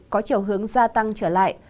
có chiều hướng gia tăng trở lại